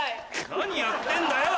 何やってんだよ！